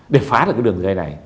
để phá được cái đường dây này